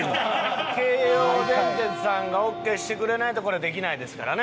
京王電鉄さんがオーケーしてくれないとこれはできないですからね。